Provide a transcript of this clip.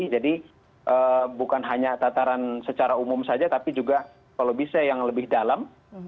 jadi bukan hanya tataran secara umum saja tapi juga kalau bisa yang lebih dalam